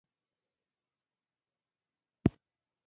د قبضیت لپاره کوم غوړي وڅښم؟